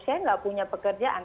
saya gak punya pekerjaan